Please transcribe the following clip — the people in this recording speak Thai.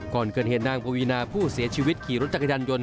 ก่อนเกิดเหตุนางปวีนาผู้เสียชีวิตขี่รถจักรยานยนต